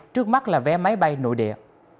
trước mắt là vé máy bay nội địa